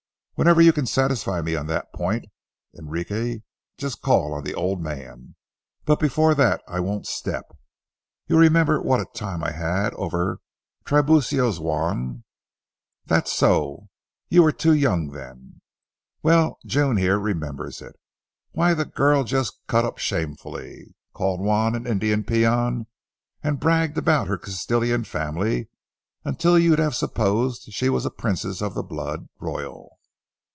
Whenever you can satisfy me on that point, Enrique, just call on the old man. But before that I won't stir a step. You remember what a time I had over Tiburcio's Juan—that's so, you were too young then. Well, June here remembers it. Why, the girl just cut up shamefully. Called Juan an Indian peon, and bragged about her Castilian family until you'd have supposed she was a princess of the blood royal.